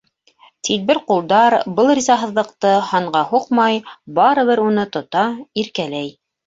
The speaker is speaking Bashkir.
Тилбер ҡулдар был ризаһыҙлыҡты һанға һуҡмай, барыбер уны тота, иркәләй.